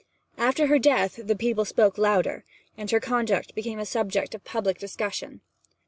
After her death the people spoke louder, and her conduct became a subject of public discussion.